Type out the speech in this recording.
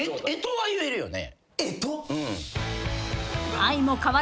干支は言えるよね？